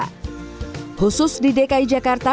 khusus di dki jakarta